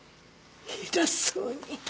偉そうに！